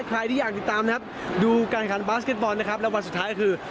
ใครที่อยากติดตามนะครับดูการขันบาสเก็ตบอลนะครับแล้ววันสุดท้ายก็คือ